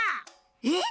えっ？